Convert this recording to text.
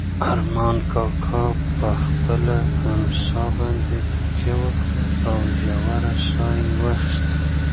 ارمان کاکا په خپله امسا باندې تکیه وکړه او ژوره ساه یې واخیسته.